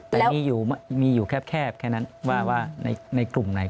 แต่มีอยู่แคบแค่นั้นว่าในกลุ่มไหน